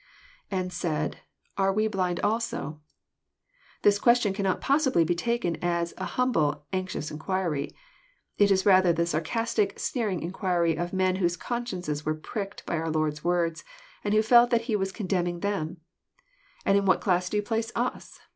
[And said... Are toe blind also?'] This question cannot possibly be taken as a humble, anxious inquiry. It is rather the sarcas tic, sneering inquiry of men whose consciences were pricked by our Lord's words, and who felt that He was condemning them :" And in what class do yoa^place us